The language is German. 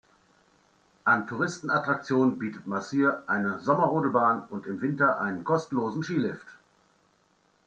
An Touristenattraktionen bietet Masyr eine Sommerrodelbahn und im Winter einen kostenlosen Skilift.